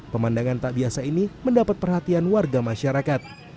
pemandangan tak biasa ini mendapat perhatian warga masyarakat